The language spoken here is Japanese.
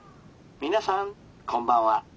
皆さんこんばんは。